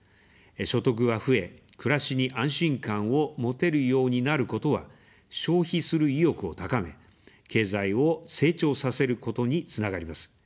所得が増え、暮らしに安心感を持てるようになることは、消費する意欲を高め、経済を成長させることにつながります。